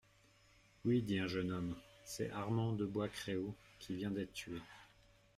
Oui, dit un jeune homme, c'est Armand de Bois-Créault qui vient d'être tué.